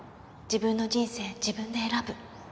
自分の人生自分で選ぶ。